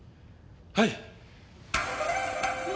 はい。